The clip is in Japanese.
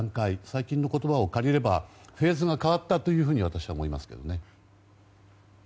最近の言葉を借りればフェーズが変わったと私は思いますけどね。